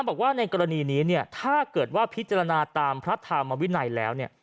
บอกว่าในกรณีนี้ถ้าเกิดว่าพิจารณาตามพระธามวินัยแล้ว